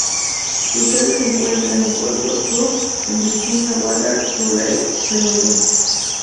Su sede se encuentra en Wentworth Club en Virginia Water, Surrey, Reino Unido.